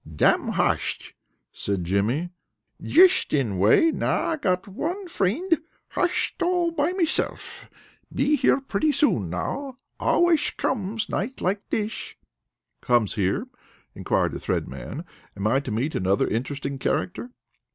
"Damn hosht!" said Jimmy. "Jisht in way. Now I got one frind, hosht all by himself. Be here pretty soon now. Alwaysh comesh nights like thish." "Comes here?" inquired the Thread Man. "Am I to meet another interesting character?"